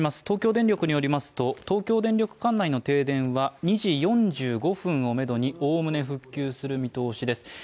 東京電力によりますと、東京電力管内の停電は２時４５分を目処におおむね復旧する見通しです。